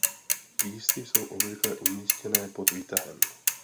Písty jsou obvykle umístěné pod výtahem.